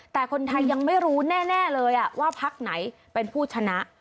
แต่คนไทยยังไม่รู้แน่เลยว่าพักไหนเป็นผู้ชนะ